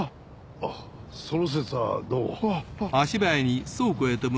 あっその節はどうも。